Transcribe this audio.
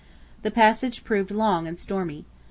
The passage proved long and stormy.